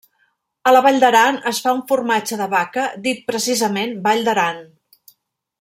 A la Vall d'Aran es fa un formatge de vaca dit precisament Vall d'Aran.